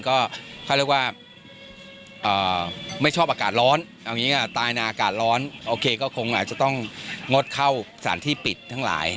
ก็เขาเรียกว่าไม่ชอบอากาศร้อนเอาอย่างนี้ตายนะอากาศร้อนโอเคก็คงอาจจะต้องงดเข้าสถานที่ปิดทั้งหลาย